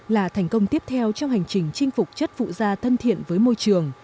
là thành công tiếp theo trong hành trình chinh phục chất phụ da thân thiện với môi trường